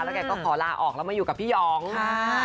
แล้วแกก็ขอลาออกแล้วมาอยู่กับพี่อ๋อง